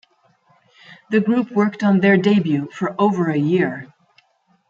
The group worked on their debut for over a year.